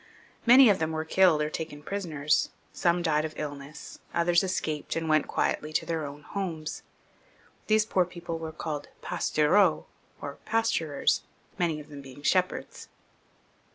Many of them were killed or taken prisoners ; some died of illness, others escaped, and went quietly to their own homes. These poor people were called pastoureaux, or pasturers, many of them being shepherds.